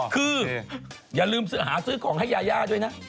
คืออย่าลืมหาซื้อของให้ยายาด้วยนะ